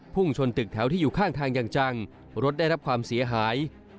ชนตึกแถวที่อยู่ข้างทางอย่างจังรถได้รับความเสียหาย